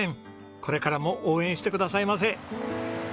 これからも応援してくださいませ！